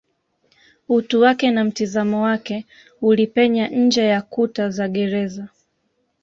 utu wake na mtizamo wake ulipenya nje ya kuta za gereza